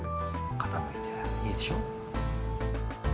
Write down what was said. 傾いていいでしょ？